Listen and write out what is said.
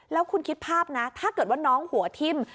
แล้วคุณคิดภาพนะถ้าเกิดว่าน้องหัวทิ่ม